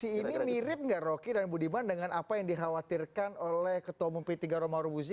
si ini mirip gak rocky dan budiman dengan apa yang dikhawatirkan oleh ketua mumpi tiga romau rubuzi